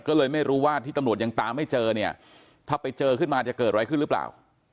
ก็เลยไม่รู้ว่าที่ตำรวจยังตามไม่เจอเนี่ยถ้าไปเจอขึ้นมาจะเกิดอะไรขึ้นหรือเปล่า